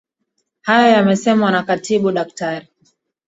Hayo yamesemwa na Katibu Daktari